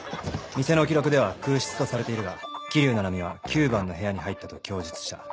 店の記録では空室とされているが桐生菜々美は９番の部屋に入ったと供述した。